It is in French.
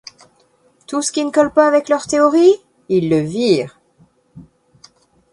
Tout ce qui ne colle pas avec leurs théories, ils le virent.